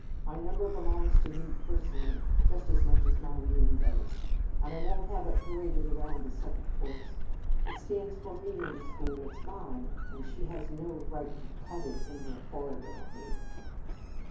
My number belongs to me personally, just as much as my name does. I won t have it paraded around the Second Cours. It stands for me in the school, it s mine, and she has no right to cut it on her horrid little hand."